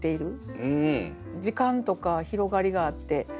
時間とか広がりがあって。